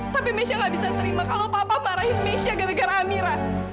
tapi mesya nggak bisa terima kalau papa marahin mesya gara gara amira